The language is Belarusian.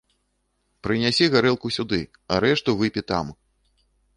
Прынясі гарэлкі сюды, а рэшту выпі там.